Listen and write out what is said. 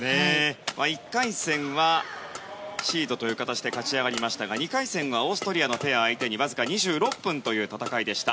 １回戦はシードという形で勝ち上がりましたが２回戦はオーストリアのペア相手にわずか２６分という戦いでした。